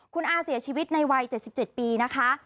คุณอาเสียชีวิตในวัย๗๗ปีนะคะ